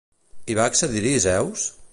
I va accedir-hi Zeus?